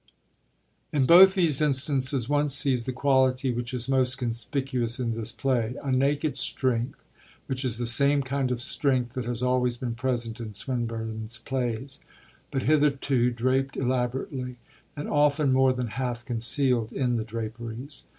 _ In both these instances one sees the quality which is most conspicuous in this play a naked strength, which is the same kind of strength that has always been present in Swinburne's plays, but hitherto draped elaborately, and often more than half concealed in the draperies.